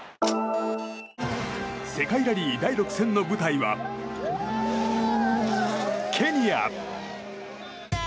世界ラリー第６戦の舞台はケニア。